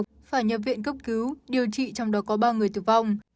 phải nhập viện cấp cứu điều trị trong đó có ba người tử vong